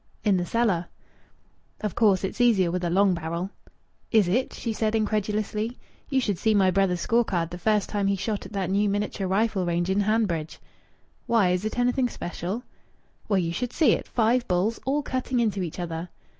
"In the cellar." "Of course it's easier with a long barrel." "Is it?" she said incredulously. "You should see my brother's score card the first time he shot at that new miniature rifle range in Hanbridge!" "Why? Is it anything special?" "Well, you should see it. Five bulls, all cutting into each other."